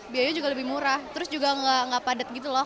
biayanya juga lebih murah terus juga nggak padat gitu loh